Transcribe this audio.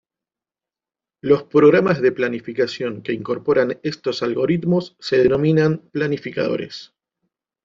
Los programas de planificación que incorporan estos algoritmos se denominan planificadores.